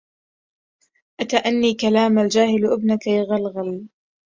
أتاني كلام الجاهل ابن كيغلغ